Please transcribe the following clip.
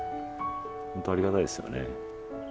本当ありがたいですよね。